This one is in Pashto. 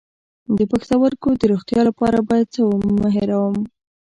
د پښتورګو د روغتیا لپاره باید څه مه هیروم؟